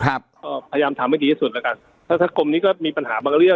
ครับก็พยายามทำให้ดีที่สุดแล้วกันถ้าถ้ากรมนี้ก็มีปัญหาบางเรื่อง